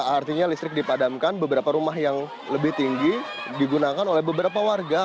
artinya listrik dipadamkan beberapa rumah yang lebih tinggi digunakan oleh beberapa warga